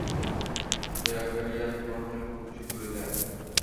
ইয়াকারি আগে কখনোই খুব বেশি দূরে যায়নি।